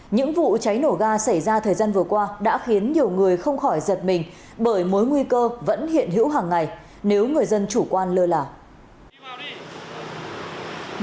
những vụ cháy nổ ga xảy ra thời gian vừa qua đã khiến nhiều người không khỏi giật mình bởi mối nguy cơ vẫn hiện hữu hàng ngày nếu người dân chủ quan lơ là